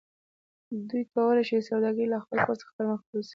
دوی کولی شي سوداګرۍ له خپل کور څخه پرمخ بوځي